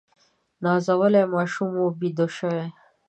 نازولي ماشومان وه بیده شوي